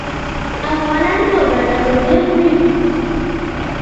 افغانان په ګډه ډوډۍ خوري.